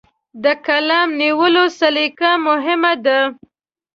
د قلم نیولو سلیقه مهمه ده.